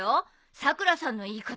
さくらさんの言い方